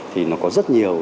thì nó có rất nhiều